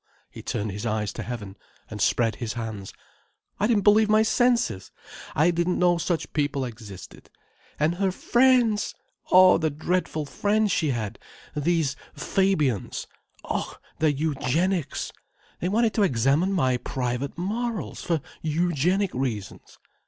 he turned his eyes to heaven, and spread his hands. "I didn't believe my senses. I didn't know such people existed. And her friends! Oh the dreadful friends she had—these Fabians! Oh, their eugenics. They wanted to examine my private morals, for eugenic reasons.